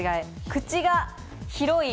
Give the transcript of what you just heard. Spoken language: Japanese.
口が広い。